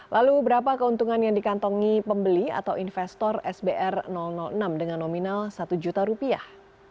lalu berapa keuntungan yang dikantongi pembeli atau investor sbr enam dengan nominal satu juta rupiah